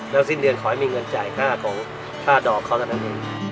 แล้วสิ้นเดือนขอให้มีเงินจ่ายค่าของค่าดอกเขาเท่านั้นเอง